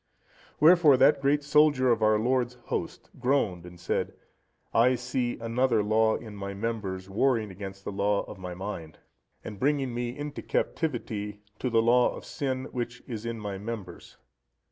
Wherefore that great soldier of our Lord's host, groaned and said, "I see another law in my members warring against the law of my mind, and bringing me into captivity to the law of sin, which is in my members."